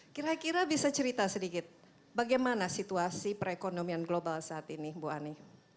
kira kira bisa cerita sedikit bagaimana situasi perekonomian global saat ini bu ani